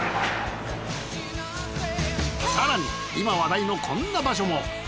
更に今話題のこんな場所も。